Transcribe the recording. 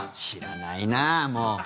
知らないな、もう。